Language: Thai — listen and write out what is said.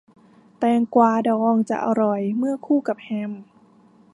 แตงกวาดองจะอร่อย เมื่อคู่กับแฮม